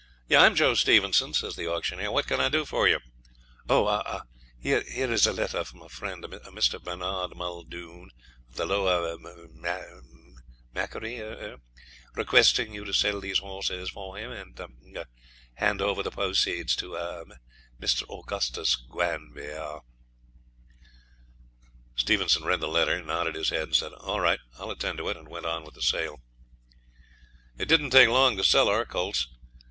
'I'm Joe Stevenson,' says the auctioneer. 'What can I do for you?' 'Oh! a here is a letter from my friend, Mr. Bernard Muldoon, of the Lower Macquarie er requesting you to sell these horses faw him; and er hand over the pwoceeds to er me Mr. Augustus Gwanby aw!' Stevenson read the letter, nodded his head, said, 'All right; I'll attend to it,' and went on with the sale. It didn't take long to sell our colts.